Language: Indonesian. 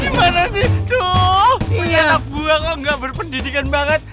gimana sih tuh punya anak gue gak berpendidikan banget